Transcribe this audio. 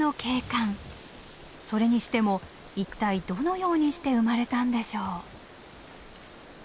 それにしても一体どのようにして生まれたんでしょう？